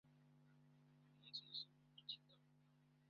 Uyu munsi nasomye igitabo .